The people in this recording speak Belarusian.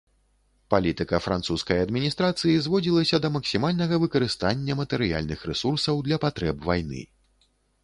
Палітыка французскай адміністрацыі зводзілася да максімальнага выкарыстання матэрыяльных рэсурсаў для патрэб вайны.